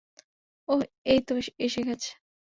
ওহ, এইতো এসে গেছে।